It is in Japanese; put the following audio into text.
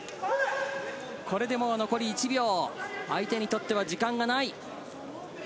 これで残り１秒、相手にとっては時間がない。